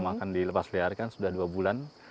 akan dilepasliarkan sudah dua bulan